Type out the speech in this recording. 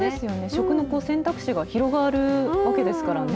食の選択肢が広がるわけですからね。